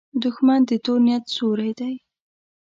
دښمن د تور نیت سیوری دی